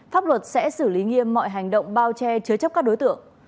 pháp luật sẽ xử lý nghiêm mọi hành động bao che chứa chấp các đối tượng